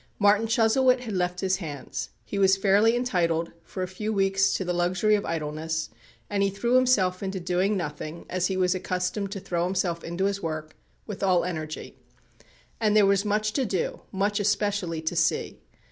"Martin Chuzzlewit" had left his hands. He was fairly entitled for a few weeks to the luxury of idleness, and he threw himself into doing nothing, as he was accustomed to throw himself into his work, with all energy. And there was much to do, much especially to see.